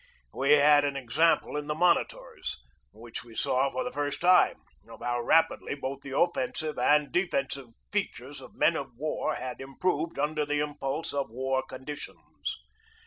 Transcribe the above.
We had an example in the monitors, which we saw for the first time, of how rapidly both the offensive and the de fensive features of men of war had improved under the impulse of war conditions.